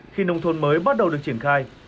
khi nông thôn mới bắt đầu được triển khai